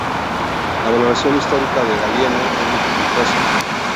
La valoración histórica de Galieno es dificultosa.